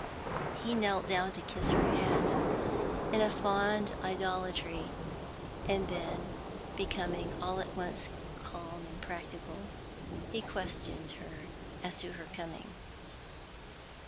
He knelt down to kiss her hands, in a fond idolatry, and then becoming all at once calm and practical, he questioned her as to her coming.